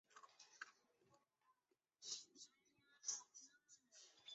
现在更需要提倡大胆探索。